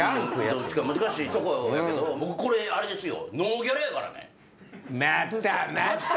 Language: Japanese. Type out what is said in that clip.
どっちか難しいとこやけど僕これあれですよ。